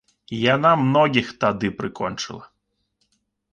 Яна многіх тады прыкончыла.